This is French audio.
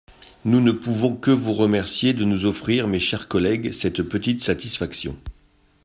Nous ne pouvons que vous remercier de nous offrir, mes chers collègues, cette petite satisfaction.